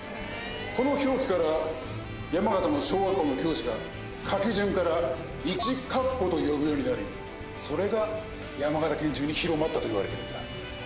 この表記から山形の小学校の教師が書き順からいちかっこと呼ぶようになりそれが山形県中に広まったと言われてるんだ。